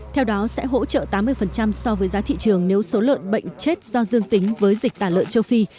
theo đó sẽ hỗ trợ tám mươi so với giá thị trường nếu số lợn bệnh chết do dương tính với dịch tả lợn châu phi